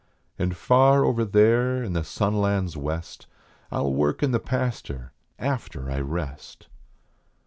And far over there in the sunlands West I ll work in the pastur after I rest."